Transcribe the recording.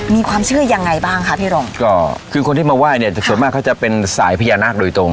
มีความเชื่อยังไงบ้างคะพี่รงก็คือคนที่มาไหว้เนี่ยส่วนมากเขาจะเป็นสายพญานาคโดยตรง